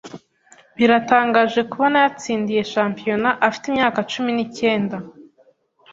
Biratangaje kubona yatsindiye championat afite imyaka cumi n'icyenda.